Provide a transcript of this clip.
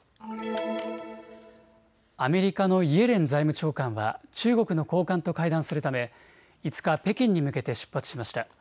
アメリカのイエレン財務長官は中国の高官と会談するため５日、北京に向けて出発しました。